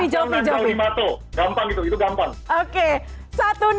nah jawabnya jauh di mata gampang gitu itu gampang